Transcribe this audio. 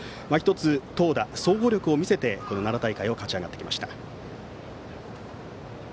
投打、総合力を見せて奈良大会を勝ち上がってきました。